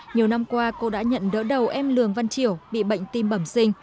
nhiều năm qua cô đã nhận đỡ đầu em lường văn triểu bị bệnh tim bẩm sinh